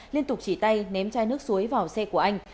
liên tục chỉ tay ném chai nước suối vào xe của anh